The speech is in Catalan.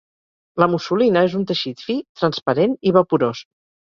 La mussolina és un teixit fi, transparent i vaporós.